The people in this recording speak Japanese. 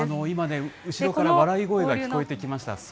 今、後ろから笑い声が聞こえてきました。